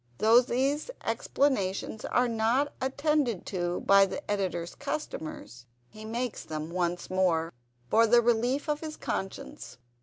Though these explanations are not attended to by the Editor's customers, he makes them once more, for the relief of his conscience.